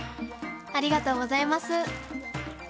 ありがとうございます。